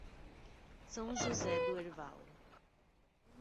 São José do Herval